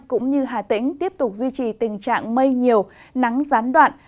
cũng như hà tĩnh tiếp tục duy trì tình trạng mây nhiều nắng gián đoạn